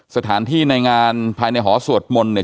สถานที่ในงานภายในหอสวดมนต์เนี่ย